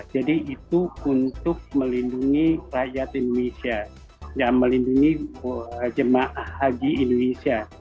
jadi itu untuk melindungi rakyat indonesia melindungi jemaah haji indonesia